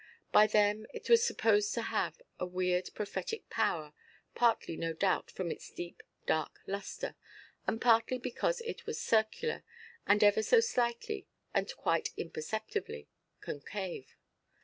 By them it was supposed to have a weird prophetic power, partly, no doubt, from its deep dark lustre, and partly because it was circular, and ever so slightly, and quite imperceptibly, concave.